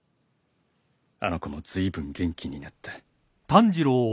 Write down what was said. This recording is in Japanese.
「あの子もずいぶん元気になった」